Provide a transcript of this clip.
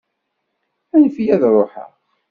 Anef-iyi ad ṛuḥeɣ.